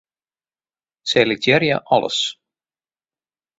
Selektearje alles.